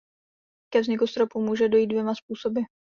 Ke vzniku stropu může dojít dvěma způsoby.